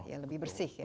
ya lebih bersih ya